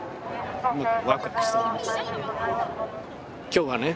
今日はね